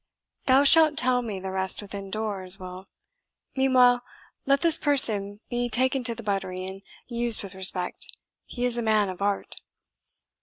"Thou shalt tell me the rest within doors, Will. Meanwhile, let this person be ta'en to the buttery, and used with respect. He is a man of art."